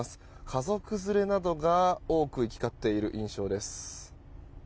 家族連れなどが多く行き交っている印象です。